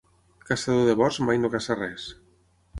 Caçador de bosc mai no caça res.